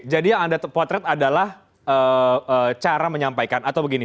jadi yang anda potret adalah cara menyampaikan atau begini